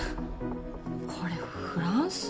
これフランス？